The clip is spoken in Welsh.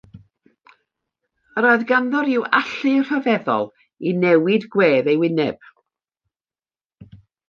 Yr oedd ganddo rhyw allu rhyfeddol i newid gwedd ei wyneb.